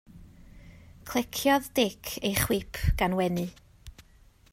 Cleciodd Dic ei chwip gan wenu.